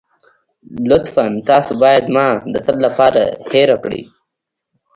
لطفاً تاسو بايد ما د تل لپاره هېره کړئ.